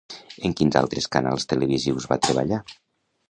En quines altres canals televisius va treballar?